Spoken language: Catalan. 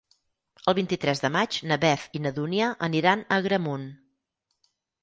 El vint-i-tres de maig na Beth i na Dúnia aniran a Agramunt.